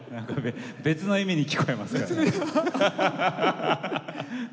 別の意味に聞こえます。